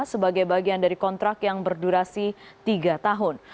sebagai bagian dari kontrak yang berdurasi tiga tahun